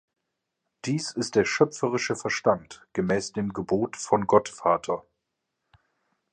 Dies ist der schöpferische Verstand, gemäß dem Gebot von Gott-Vater.